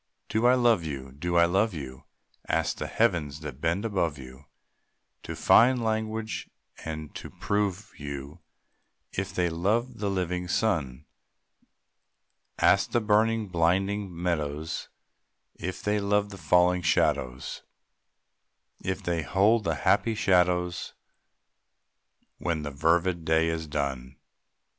Do I love you? Do I love you? Ask the heavens that bend above you To find language and to prove you If they love the living sun. Ask the burning, blinded meadows If they love the falling shadows, If they hold the happy shadows When the fervid day is done.